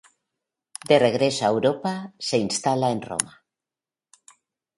De regreso a Europa se instala en Roma.